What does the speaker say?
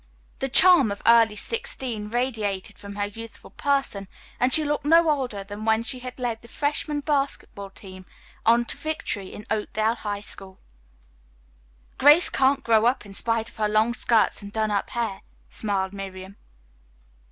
The charm of early sixteen radiated from her youthful person, and she looked no older than when she had led the freshman basketball team on to victory in Oakdale High School. "Grace can't grow up in spite of her long skirts and done up hair," smiled Miriam.